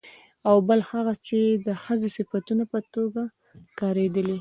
او بل هغه چې د ښځې د صفتونو په توګه کارېدلي